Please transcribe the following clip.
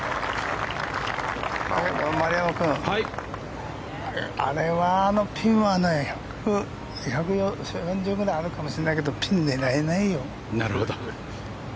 丸山君あれは、あのピンは１４０ヤードぐらいあるかもしれないけどピンを狙えないよ。